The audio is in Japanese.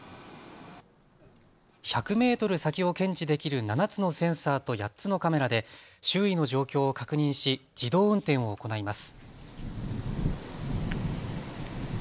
１００メートル先を検知できる７つのセンサーと８つのカメラで周囲の状況を確認し自動運転を行います。